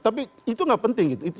tapi itu enggak penting